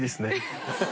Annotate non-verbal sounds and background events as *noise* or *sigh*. ハハハ *laughs*